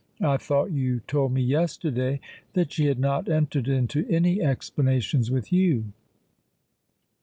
I thought you told me yesterday that she had not entered into any explanations with you?"